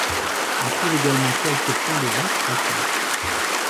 On trouve également quelques points de vente en France.